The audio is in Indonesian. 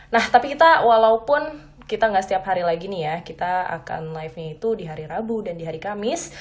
nah tapi kita walaupun kita gak setiap hari lagi nih ya kita akan live nya itu di hari rabu dan di hari kamis